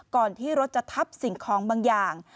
ก่อนที่รถจะทับสิ่งของบางอย่าง